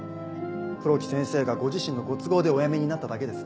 黒木先生がご自身のご都合でお辞めになっただけです。